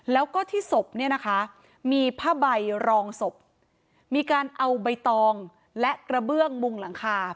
แล้วก็ที่ศพเนี่ยนะคะมีผ้าใบรองศพมีการเอาใบตองและกระเบื้องมุงหลังคา